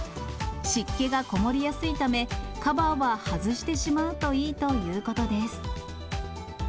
湿気がこもりやすいため、カバーは外してしまうといいということです。